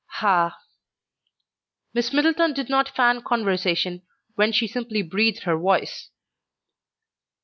"Ah!" Miss Middleton did not fan conversation when she simply breathed her voice.